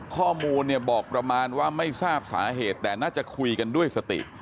ข้อมูลเนี่ยบอกประมาณว่าไม่ทราบสาเหตุแต่น่าจะคุยกันด้วยสติ